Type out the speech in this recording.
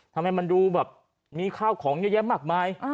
ทำไมมันดูแบบมีข้าวของเยอะแยะมากมาย